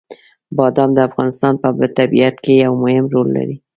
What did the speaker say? بادام د افغانستان په طبیعت کې یو مهم رول لري.